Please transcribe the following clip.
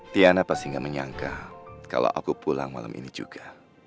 tiana pasti gak menyangka kalau aku pulang malam ini juga